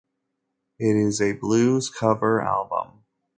It is a blues cover album.